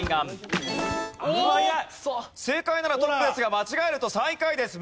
正解ならトップですが間違えると最下位です。